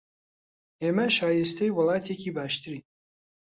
ئێمە شایستەی وڵاتێکی باشترین